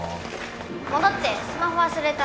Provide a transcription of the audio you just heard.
戻ってスマホ忘れた。